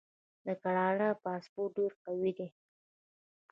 د کاناډا پاسپورت ډیر قوي دی.